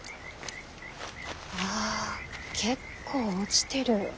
ああ結構落ちてる。